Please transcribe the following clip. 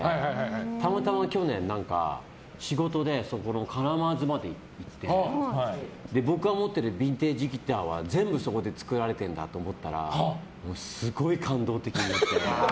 たまたま去年、仕事でそこのカラマーズまで行って僕が持っているビンテージギターは全部そこで作られてるんだと思ったらすごい感動的になって。